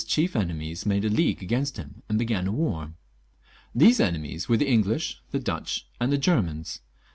367 chief enemies made a league against him and began a war. These enemies were the English, the Dutch, and the Em peror.